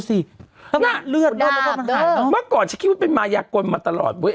เมื่อก่อนฉันคิดว่าเป็นมายากรมาตลอด